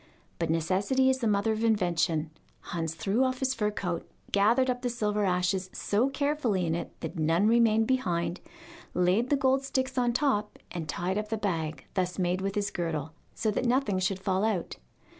But necessity is the mother of invention: Hans threw off his fur coat, gathered up the silver ashes so carefully in it that none remained behind, laid the gold sticks on top, and tied up the bag thus made with his girdle, so that nothing should fall out.